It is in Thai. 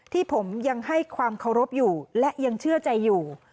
ที่ผมยังให้ความเคารพอยู่และยังเชื่อใจอยู่